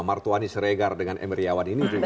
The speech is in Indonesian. martu anies regar dengan em riawan ini juga